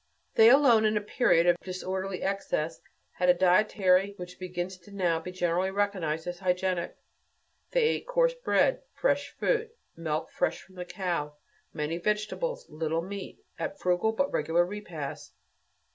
They alone, at a period of disorderly excess, had a dietary which begins to be generally recognized as hygienic; they ate coarse bread, fresh fruit, milk fresh from the cow, many vegetables, little meat, at frugal but regular repasts.